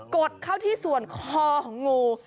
ดเข้าที่ส่วนคอของงู